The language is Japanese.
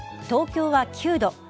東京は９度。